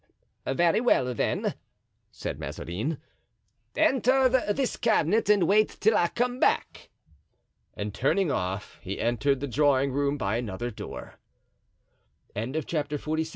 "Very well, then," said Mazarin; "enter this cabinet and wait till I come back." And turning off he entered the drawing room by another door. Chapter XLVIII.